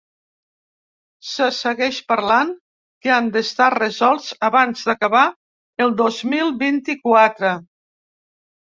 Se segueix parlant que han d’estar resolts abans d’acabar el dos mil vint-i-quatre.